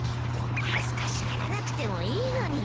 恥ずかしがらなくてもいいのに。